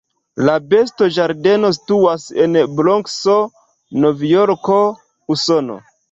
La bestoĝardeno situas en Bronkso, Novjorko, Usono.